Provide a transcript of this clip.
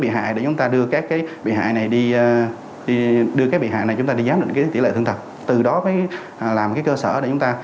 bị hại để chúng ta đưa các bị hại này đi giám định tỷ lệ thân thật từ đó mới làm cơ sở để chúng ta